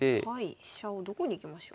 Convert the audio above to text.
飛車をどこに行きましょう？